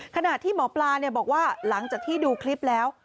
ขณะที่หมอปลาบอกว่าหลังจากที่ดูคลิปแล้ว